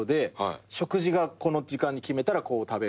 食事がこの時間に決めたらこう食べる。